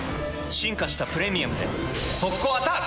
進化した「プレミアム」で速攻アタック！